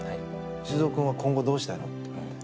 修造君は今後どうしたいの？って。